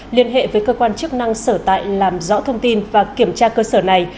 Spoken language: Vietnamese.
liên hệ với cơ quan chức năng sở tại làm rõ thông tin và kiểm tra cơ sở này